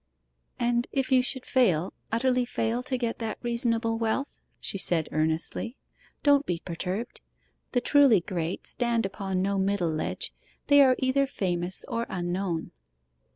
'And if you should fail utterly fail to get that reasonable wealth,' she said earnestly, 'don't be perturbed. The truly great stand upon no middle ledge; they are either famous or unknown.